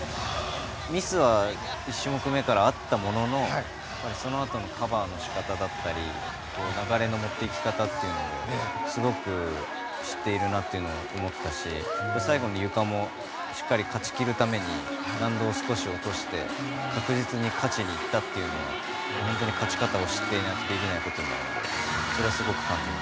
ミスは１種目めからあったもののそのあとのカバーの仕方だったり流れの持っていき方というのをすごく知っているなというのを思いましたし最後のゆかもしっかり勝ち切るために難度を少し落として確実に勝ちに行ったというのも本当に勝ち方を知っていないとできないことなので。